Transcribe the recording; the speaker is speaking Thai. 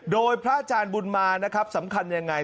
โดยพระอาจารย์บุญมานะครับสำคัญยังไง